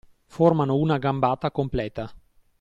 Formano una gambata completa